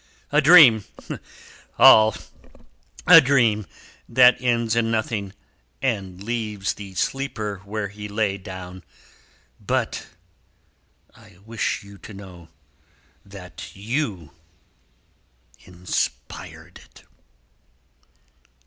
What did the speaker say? A dream, all a dream, that ends in nothing, and leaves the sleeper where he lay down, but I wish you to know that you inspired it."